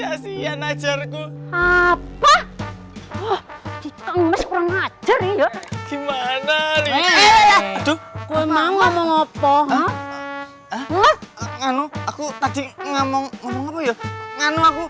kasihan ajarku apa oh kurang ajar iya gimana iya aduh memang ngomong apa aku tadi ngomong ngomong